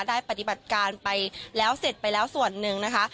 ปฏิบัติการไปแล้วเสร็จไปแล้วส่วนหนึ่งนะคะ